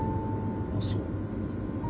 あっそう。